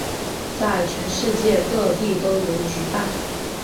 在全世界各地都有举办。